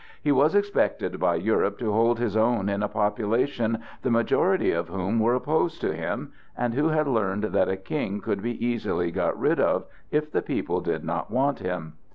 He was expected by Europe to hold his own in a population the majority of whom were opposed to him, and who had learned that a king could be easily got rid of, if the people did not want him.